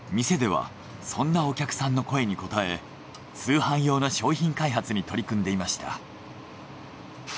店ではそんなお客さんの声に応え通販用の商品開発に取り組んでいました。